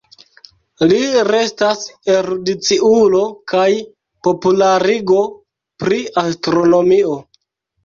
Li restas erudiciulo kaj popularigo pri astronomio.